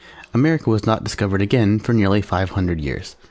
America was not discovered again for nearly five hundred years.